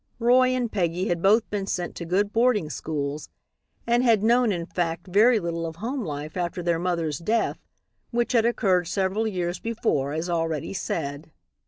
Roy and Peggy had both been sent to good boarding schools, and had known, in fact, very little of home life after their mother's death which had occurred several years before, as already said.